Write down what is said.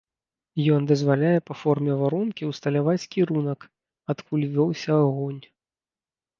Ён дазваляе па форме варонкі ўсталяваць кірунак, адкуль вёўся агонь.